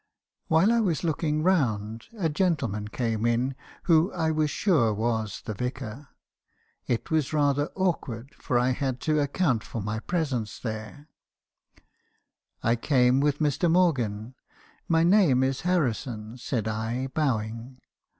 "While I was looking round, a gentleman came in, who I was sure , was the vicar. It was rather awkward , for I had to account for my presence there. 250 me. Harrison's confessions. " *I came with Mr. Morgan; my name is Harrison,' said I, bowing.